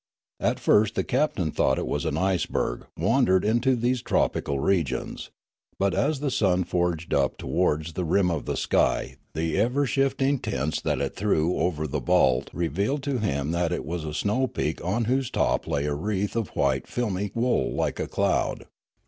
At first the captain thought it was an iceberg wandered into these tropical regions, but as the sun forged up towards the rim of sky the ever shifting tints that it threw over the vault revealed to him that it was a snow peak on whose top lay a wreath 359 360 Riallaro of white filmy wool like a cloud.